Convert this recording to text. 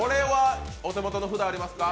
お手元の札ありますか。